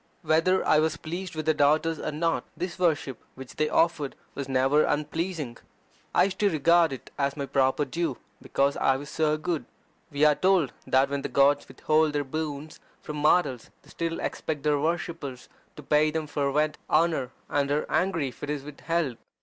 Whether I was pleased with their daughters or not, this worship which they offered was never unpleasing. I used to regard it as my proper due, because I was so good. We are told that when the gods withhold their boons from mortals they still expect their worshippers to pay them fervent honour, and are angry if it is withheld.